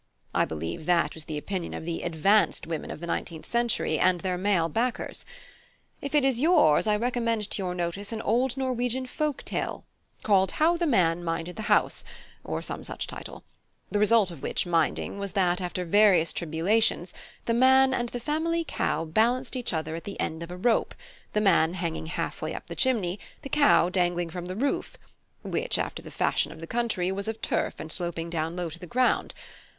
I believe that was the opinion of the 'advanced' women of the nineteenth century, and their male backers. If it is yours, I recommend to your notice an old Norwegian folk lore tale called How the Man minded the House, or some such title; the result of which minding was that, after various tribulations, the man and the family cow balanced each other at the end of a rope, the man hanging halfway up the chimney, the cow dangling from the roof, which, after the fashion of the country, was of turf and sloping down low to the ground.